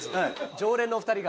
常連のお二人が。